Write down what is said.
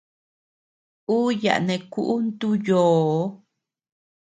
Uu yaʼa neʼë kuʼu ntu yoo.